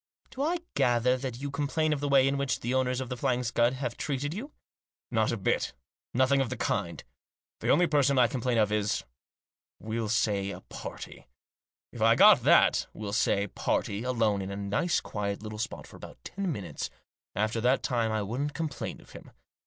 " Do I gather that you complain of the way in which the owners of The Flying Scud have treated you?" " Not a bit of it ; nothing of the kind. The only person I complain of is — we'll say a party. If I got that, we'll say, party, alone in a nice quiet little spot for about ten minutes, after ; that time I wouldn't complain of him.